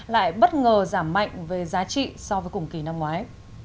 lại bất ngờ giảm mạnh về giá trị so với cùng kỳ năm ngoái